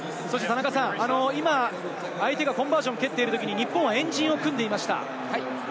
田中さん、今、相手がコンバージョンを蹴っているときに日本は円陣を組んでいました。